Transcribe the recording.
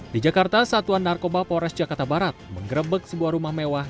di jakarta satuan narkoba polres jakarta barat menggerebek sebuah rumah mewah